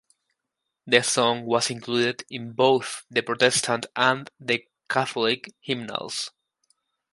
The song was included in both the Protestant and the Catholic hymnals.